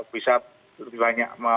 bisa lebih banyak